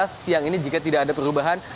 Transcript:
siang ini jika tidak ada perubahan